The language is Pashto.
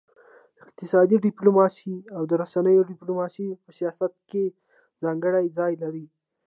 اقتصادي ډيپلوماسي او د رسنيو ډيپلوماسي په سیاست کي ځانګړی ځای لري.